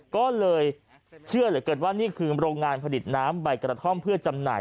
ก็เลยเชื่อเหลือเกินว่านี่คือโรงงานผลิตน้ำใบกระท่อมเพื่อจำหน่าย